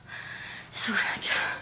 急がなきゃ。